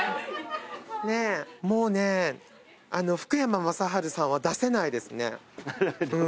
もうね福山雅治さんは出せないですね。